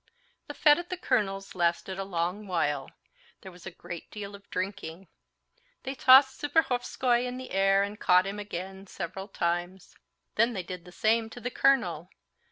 The fête at the colonel's lasted a long while. There was a great deal of drinking. They tossed Serpuhovskoy in the air and caught him again several times. Then they did the same to the colonel.